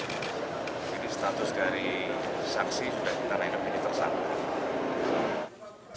jadi status dari saksi sudah ditanam ini tersangka